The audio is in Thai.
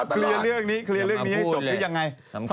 สวัสดีครับ